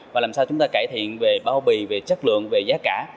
và làm sao chúng ta cải thiện về bao bì về chất lượng về giá cả